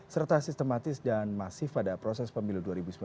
serta sistematis dan masif pada proses pemilu dua ribu sembilan belas